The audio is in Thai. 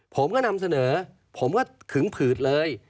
ผมก็นำเสนอผมก็ขึงผืดเลย